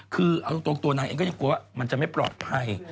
คือเอาตรงตัวนางเองก็ยังกลัวว่ามันจะไม่ปลอดภัย